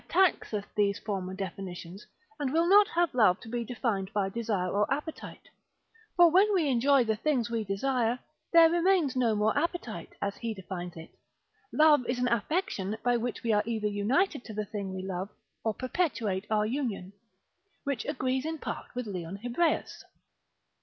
taxeth these former definitions, and will not have love to be defined by desire or appetite; for when we enjoy the things we desire, there remains no more appetite: as he defines it, Love is an affection by which we are either united to the thing we love, or perpetuate our union; which agrees in part with Leon Hebreus.